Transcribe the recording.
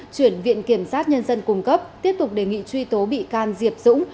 chuyển viện kiểm sát nhân dân cung cấp tiếp tục đề nghị truy tố bị can diệp dũng